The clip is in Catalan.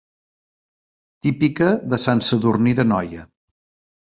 Típica de Sant Sadurní d'Anoia.